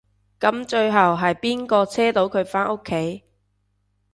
噉最後係邊個車到佢返屋企？